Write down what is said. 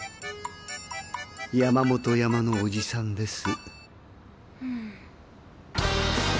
山本山のオジさんです。